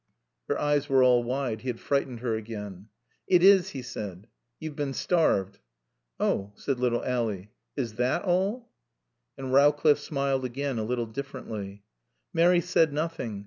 Her eyes were all wide. He had frightened her again. "It is," he said. "You've been starved." "Oh," said little Ally, "is that all?" And Rowcliffe smiled again, a little differently. Mary said nothing.